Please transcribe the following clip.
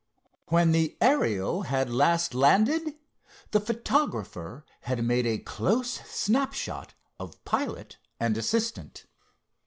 When the Ariel had last landed, the photographer had made a close snap shot of pilot and assistant.